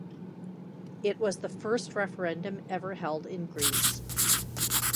It was the first referendum ever held in Greece.